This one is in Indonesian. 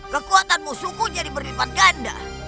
kekuatan musuhku jadi berlipat ganda